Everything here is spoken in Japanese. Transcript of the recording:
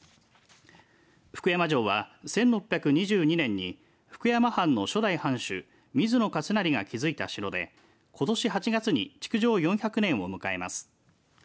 福山城は１６２２年に福山藩の初代藩主水野勝成が築いた城でことし８月に築城４００年を迎えます。